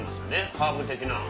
ハーブ的なの。